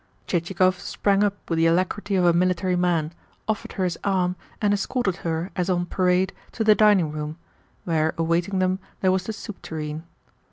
Chichikov sprang up with the alacrity of a military man, offered her his arm, and escorted her, as on parade, to the dining room, where awaiting them there was the soup toureen.